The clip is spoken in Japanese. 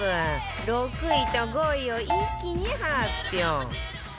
６位と５位を一気に発表